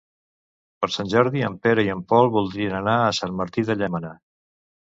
Per Sant Jordi en Pere i en Pol voldrien anar a Sant Martí de Llémena.